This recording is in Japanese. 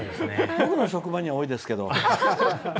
僕の職場には多いですけど。